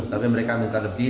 tapi mereka minta lebih